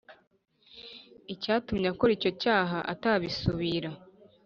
ibyatumye akora icyo cyaha atabisubira